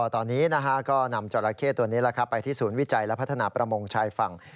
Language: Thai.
ตอนนี้ก็นำจราเข้ตัวนี้ไปที่ศูนย์วิจัยและพัฒนาประมงชายฝั่ง